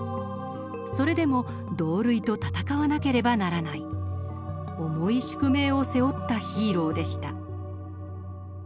それでも同類と戦わなければならない重い宿命を背負ったヒーローでした。